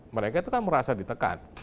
mereka itu kan merasa ditekan